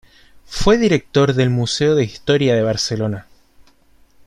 Fue director del Museo de Historia de Barcelona.